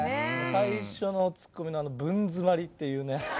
最初のツッコミのブン詰まりっていうね。